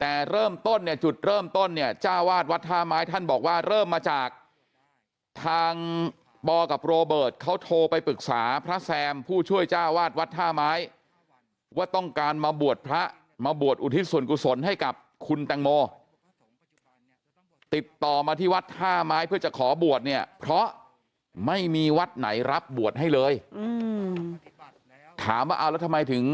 แต่เริ่มต้นเนี่ยจุดเริ่มต้นเนี่ยจ้าวาดวัดท่าไม้ท่านบอกว่าเริ่มมาจากทางปกับโรเบิร์ตเขาโทรไปปรึกษาพระแซมผู้ช่วยจ้าวาดวัดท่าไม้ว่าต้องการมาบวชพระมาบวชอุทิศส่วนกุศลให้กับคุณแตงโมติดต่อมาที่วัดท่าไม้เพื่อจะขอบวชเนี่ยเพราะไม่มีวัดไหนรับบวชให้เลยถามว่าเอาแล้วทำไมถึง